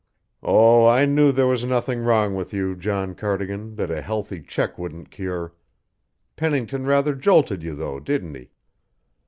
"Oh, I knew there was nothing wrong with you, John Cardigan, that a healthy check wouldn't cure. Pennington rather jolted you, though, didn't he?"